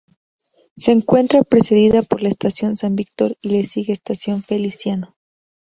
Se encuentra precedida por la Estación San Víctor y le sigue Estación Feliciano.